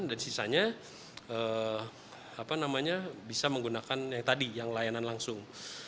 dan sisanya bisa menggunakan yang tadi yang layanan langsung